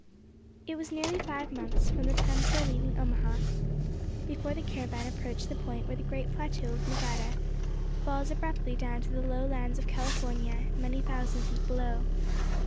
It was nearly five months from the time of their leaving Omaha before the caravan approached the point where the great plateau of Nevada falls abruptly down to the low lands of California many thousand feet below.